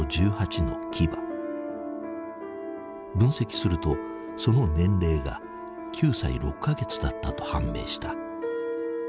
分析するとその年齢が９歳６か月だったと判明した。